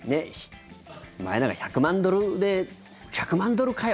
前、１００万ドルで１００万ドルかよ！